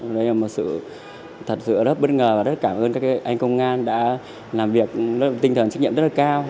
đây là một sự thật sự rất bất ngờ và rất cảm ơn các anh công an đã làm việc tinh thần trách nhiệm rất cao